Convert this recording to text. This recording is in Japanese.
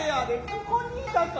ここに居たか。